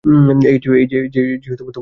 এইযে তোমার গিফট, গর্ডি।